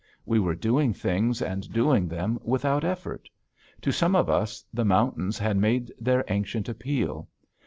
We were doing things and doing them without effort. To some of us the mountains had made their ancient appeal.